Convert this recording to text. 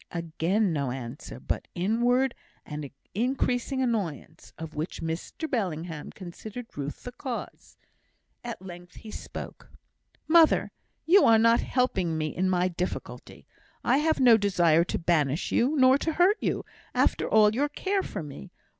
Again no answer, but inward and increasing annoyance, of which Mr Bellingham considered Ruth the cause. At length he spoke. "Mother, you are not helping me in my difficulty. I have no desire to banish you, nor to hurt you, after all your care for me.